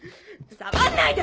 触んないで！